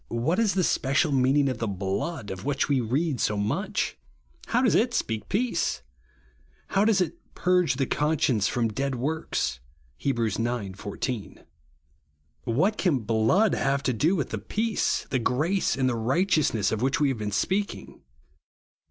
What is tlie special meaning of the BLOOD, of which we read so much ? How does it speak peace ? How does it "purge the conscience from dead works" (Heb. ix. 14)? Whai: can hloocl have to do with the peace, the grace, and the righteousness of which we have been speaking